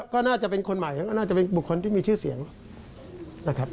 ก็น่าจะเป็นคนใหม่ก็น่าจะเป็นบุคคลที่มีชื่อเสียงนะครับ